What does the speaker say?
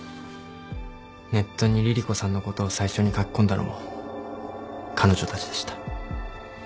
ネットに凛々子さんのことを最初に書き込んだのも彼女たちでした。